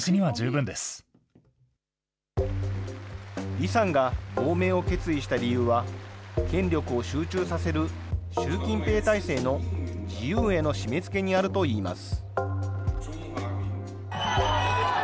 李さんが亡命を決意した理由は、権力を集中させる習近平体制の自由への締めつけにあるといいます。